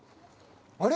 あれ？